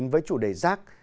với chủ đề rác